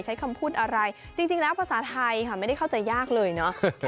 ใช้คำพูดอะไรจริงแล้วภาษาไทยค่ะไม่ได้เข้าใจยากเลยเนอะ